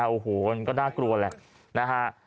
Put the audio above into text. โอ้โฮมันก็น่ากลัวแหละ